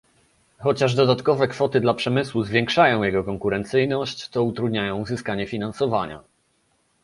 Chociaż dodatkowe kwoty dla przemysłu zwiększają jego konkurencyjność, to utrudniają uzyskanie finansowania